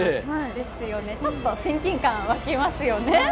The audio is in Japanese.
ちょっと親近感、湧きますよね。